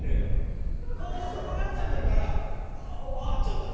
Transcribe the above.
こうなっちゃってるから合っちゃったのよ